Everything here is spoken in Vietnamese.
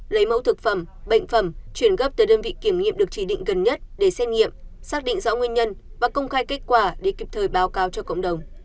lấy mẫu thực phẩm bệnh phẩm chuyển gấp tới đơn vị kiểm nghiệm được chỉ định gần nhất để xét nghiệm xác định rõ nguyên nhân và công khai kết quả để kịp thời báo cáo cho cộng đồng